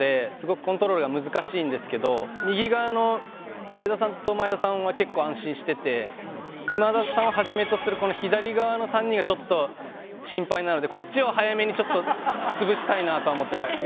右側の上田さんと前田さんは結構安心してて今田さんをはじめとする左側の３人がちょっと心配なのでこっちを早めにちょっとつぶしたいなとは思ってます